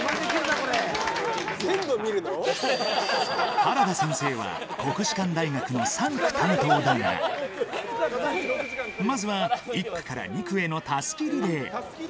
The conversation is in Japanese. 原田先生は国士舘大学の３区担当だが、まずは１区から２区へのたすきリレー。